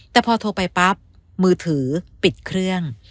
แต่พอโทรไปปั๊บมือถือปิดเครื่อง